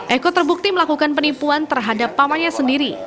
eko terbukti melakukan penipuan terhadap pamannya sendiri